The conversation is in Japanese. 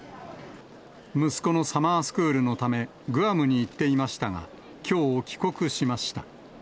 息子のサマースクールのため、グアムに行っていましたが、きょう帰国しました。